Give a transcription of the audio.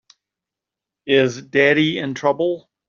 Is Daddy in trouble?